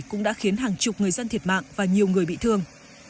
cũng đã khiến hàng chục người dân thiệt mạng và nhiều người bị thương